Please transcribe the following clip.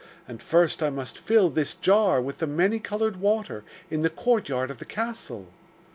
And first I must fill this far with the many coloured water in the courtyard of the castle.